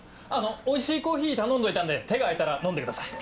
おいしいコーヒー頼んどいたんで手が空いたら飲んでください。